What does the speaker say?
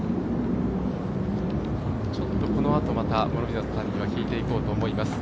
このあと諸見里さんに聞いていこうと思います。